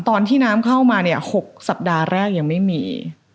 ตอนที่น้ำเข้ามาเนี่ย๖สัปดาห์แรกยังไม่มี